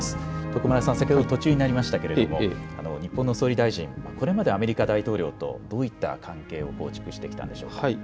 徳丸さん、先ほど途中になりましたが日本の総理大臣、これまでアメリカ大統領とどういった関係を構築してきたんでしょうか。